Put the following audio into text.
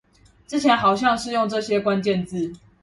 之前好像是用這些關鍵字